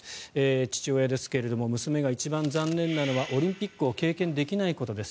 父親ですが娘が一番残念なのはオリンピックを経験できないことです。